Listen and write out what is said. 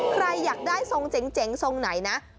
ใครอยากได้ทรงเจ๋งทรงไหนนะ